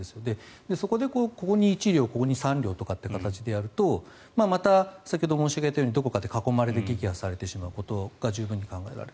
そこでここに１両ここに３両とかって形でやるとまた先ほど申し上げたように囲まれて撃破されてしまう形が十分に考えられます。